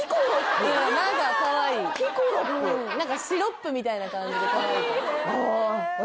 何かかわいい何かシロップみたいな感じでかわいいあ